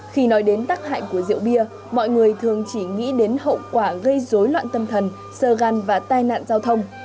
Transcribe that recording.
khi nói đến tác hại của rượu bia mọi người thường chỉ nghĩ đến hậu quả gây dối loạn tâm thần sơ gan và tai nạn giao thông